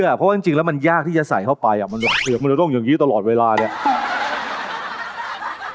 เพราะว่าจริงจริงแล้วมันยากที่จะใส่เข้าไปอ่ะมันจะต้องอย่างงี้ตลอดเวลาเนี้ย